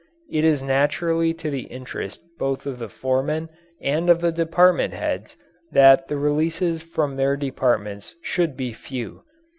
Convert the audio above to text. It is naturally to the interest both of the foremen and of the department heads that the releases from their departments should be few.